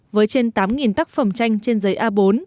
với trên tám tác phẩm tranh trên giấy a bốn